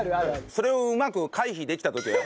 それをうまく回避できた時。